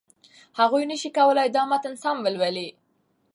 هغوی نشي کولای دا متن سم ولولي.